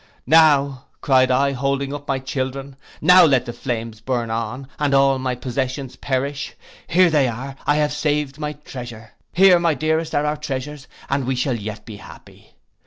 'Now,' cried I, holding up my children, 'now let the flames burn on, and all my possessions perish. Here they are, I have saved my treasure. Here, my dearest, here are our treasures, and we shall yet be happy.